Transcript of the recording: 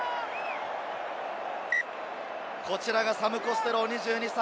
こちらがサム・コステロー、２２歳。